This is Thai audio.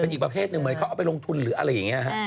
อีกประเภทหนึ่งเหมือนเขาเอาไปลงทุนหรืออะไรอย่างนี้ฮะ